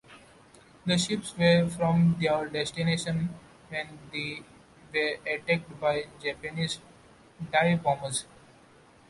The ships were from their destination when they were attacked by Japanese dive-bombers.